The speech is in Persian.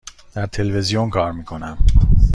در تلویزیون کار می کنم.